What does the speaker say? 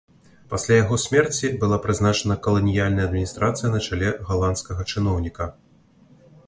Пасля яго смерці была прызначана каланіяльная адміністрацыя на чале галандскага чыноўніка.